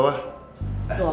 abah udah ngomong